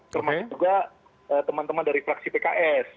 termasuk juga teman teman dari fraksi pks